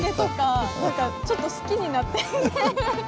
ちょっと好きになって。